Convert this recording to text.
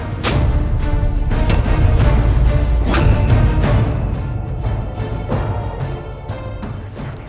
kau pasti berbohong